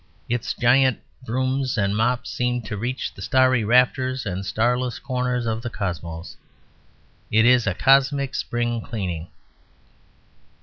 Its giant brooms and mops seem to reach the starry rafters and Starless corners of the cosmos; it is a cosmic spring cleaning.